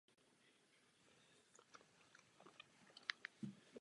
Mám na mysli projekt v mém domovském Aberdeenshiru nazvaný Can-Do.